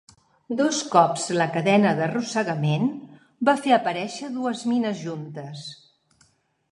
Dos cops la cadena d'arrossegament va fer aparèixer dues mines juntes.